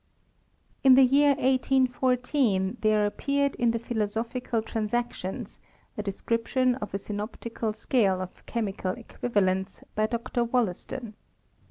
In the year 1814 there appeared in the Philo sophical Transactions a description of a Synoptical Scale of Chemical Equivalents, by Dr. WoUaston.